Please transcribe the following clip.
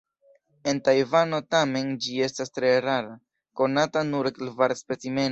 En Tajvano tamen ĝi estas tre rara, konata nur el kvar specimenoj.